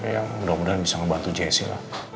ya mudah mudahan bisa ngebantu jessi lah